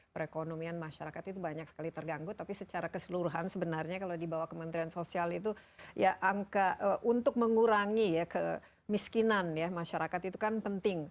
perekonomian masyarakat itu banyak sekali terganggu tapi secara keseluruhan sebenarnya kalau di bawah kementerian sosial itu ya angka untuk mengurangi ya kemiskinan ya masyarakat itu kan penting